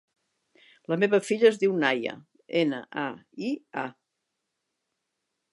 La meva filla es diu Naia: ena, a, i, a.